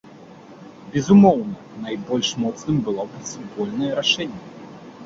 Безумоўна, найбольш моцным было б супольнае рашэнне.